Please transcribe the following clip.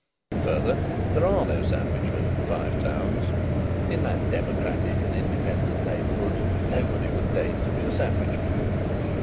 Further, there are no sandwichmen in the Five Towns; in that democratic and independent neighbourhood nobody would deign to be a sandwichman.